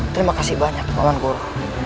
terima kasih banyak teman guru